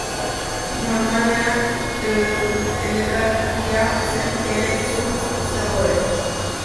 Normalean elekaria zena ele-zurtz zegoen.